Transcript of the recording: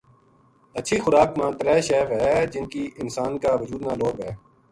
ہچھی خوراک ما ترے شے وھے جن کی انسان کا وجود نا لوڑ وھے